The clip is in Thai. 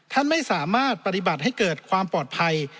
ท่านไม่สามารถปฏิบัติให้เกิดความปลอดภัย